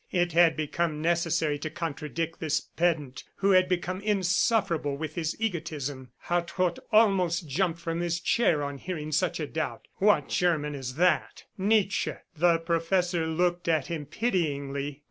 It had become necessary to contradict this pedant who had become insufferable with his egotism. Hartrott almost jumped from his chair on hearing such a doubt. "What German is that?" "Nietzsche." The professor looked at him pityingly.